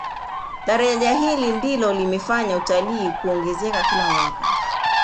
daraja hili ndilo limefanya utalii kuongezeka kila mwaka